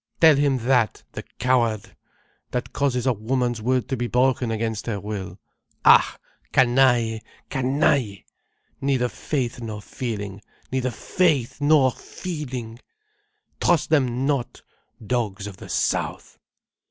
Tell him that, the coward, that causes a woman's word to be broken against her will. Ah, canaille, canaille! Neither faith nor feeling, neither faith nor feeling. Trust them not, dogs of the south."